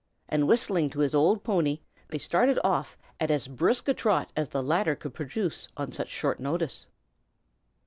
And whistling to his old pony, they started off at as brisk a trot as the latter could produce on such short notice.